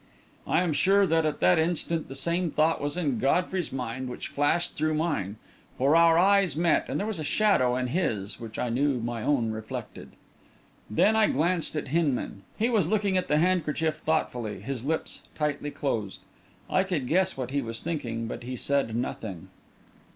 I am sure that, at that instant, the same thought was in Godfrey's mind which flashed through mine, for our eyes met, and there was a shadow in his which I knew my own reflected. Then I glanced at Hinman. He was looking at the handkerchief thoughtfully, his lips tightly closed. I could guess what he was thinking, but he said nothing.